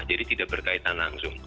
jadi tidak berkaitan langsung